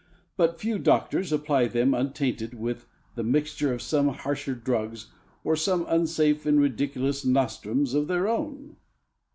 But few doctors apply them untainted with the mixture of some harsher drugs or some unsafe and ridiculous nostrums of their own.